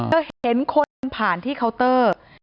เธอเห็นคนผ่านที่เคาน์เตอร์